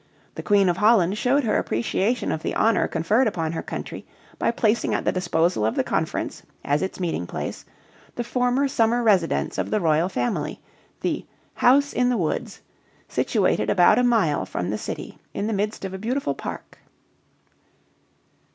The queen of Holland showed her appreciation of the honor conferred upon her country by placing at the disposal of the conference, as its meeting place, the former summer residence of the royal family, the "House in the Woods," situated about a mile from the city in the midst of a beautiful park.